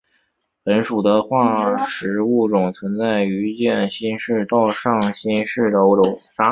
本属的化石物种存在于渐新世到上新世的欧洲。